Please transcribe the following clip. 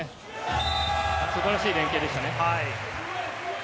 素晴らしい連係でしたね。